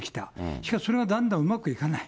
しかしそれがだんだんうまくいかない。